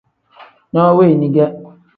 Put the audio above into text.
No weni ge.